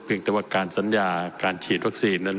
เพียงแต่ว่าการสัญญาการฉีดรักษีนนั้น